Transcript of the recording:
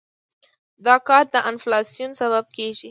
دا کار د انفلاسیون سبب کېږي.